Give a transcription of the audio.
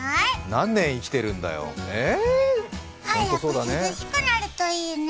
何年生きてるんだよ？早く涼しくなるといいね。